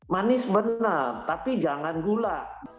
manis benar tapi jangan gula